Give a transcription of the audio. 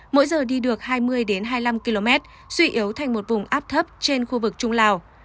mỗi giờ đi được hai mươi hai mươi năm km suy yếu thành một vùng áp thấp trên khu vực trung lào